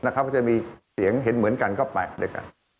ก็จะมีเสียงเห็นเหมือนกันก็แปะด้วยกัน